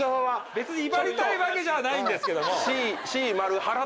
別に威張りたいわけじゃないんですけども。